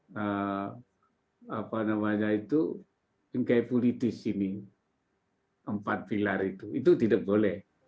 nah apa namanya itu bingkai politis ini empat pilar itu itu tidak boleh